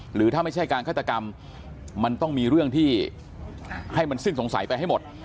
หรือถ้าไม่ใช่การฆาตกรรมมันต้องมีเรื่องที่ให้มันสิ้นสงสัยไปให้หมด